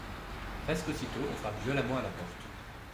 Presque aussitôt on frappe violemment à la porte.